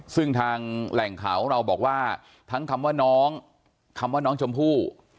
ซึ่งทางแหล่งเขาเราบอกว่าทั้งคำว่าน้องคำว่าน้องชมพู่